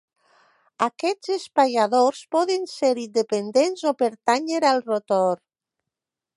Aquests espaiadors poden ser independents o pertànyer al rotor.